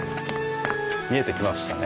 見えてきましたね。